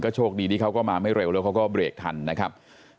โชคดีที่เขาก็มาไม่เร็วแล้วเขาก็เบรกทันนะครับ